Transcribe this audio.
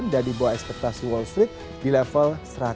dan dibawah ekspektasi wall street di level seratus